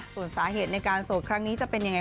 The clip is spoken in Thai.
ส่วนสาเหตุในการโสดครั้งนี้จะเป็นยังไง